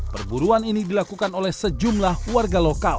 perburuan ini dilakukan oleh sejumlah warga lokal